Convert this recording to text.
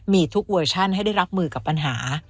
มีทุกเวอร์ชั่นให้ได้รับมือกับปัญหา